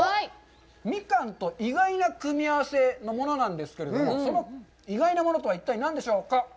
ミカンと意外な組み合わせのものなんですけれども、その意外なものとは一体何でしょうか？